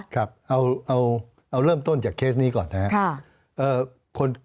ครับเอาเริ่มต้นจากเคสนี้ก่อนนะครับ